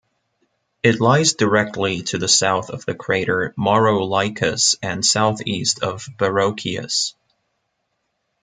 It lies directly to the south of the crater Maurolycus and southeast of Barocius.